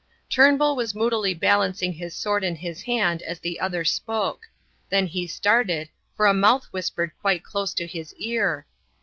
Turnbull was moodily balancing his sword in his hand as the other spoke; then he started, for a mouth whispered quite close to his ear.